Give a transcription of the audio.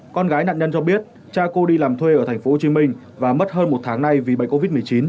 con gái nạn nhân cho biết cha cô đi làm thuê ở tp hcm và mất hơn một tháng nay vì bệnh covid một mươi chín